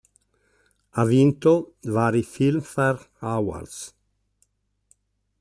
Ha vinto vari Filmfare Awards.